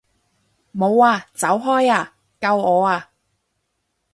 冇啊！走開啊！救我啊！